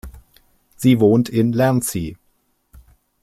Sie wohnt in Lancy.